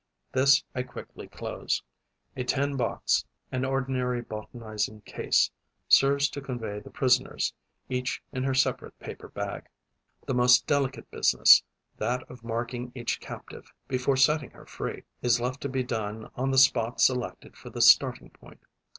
This I quickly close. A tin box, an ordinary botanizing case, serves to convey the prisoners, each in her separate paper bag. The most delicate business, that of marking each captive before setting her free, is left to be done on the spot selected for the starting point.